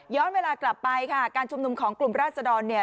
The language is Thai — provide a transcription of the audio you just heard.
เวลากลับไปค่ะการชุมนุมของกลุ่มราชดรเนี่ย